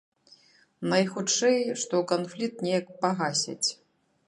Найхутчэй што канфлікт неяк пагасяць.